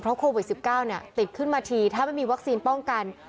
โควิด๑๙ติดขึ้นมาทีถ้าไม่มีวัคซีนป้องกัน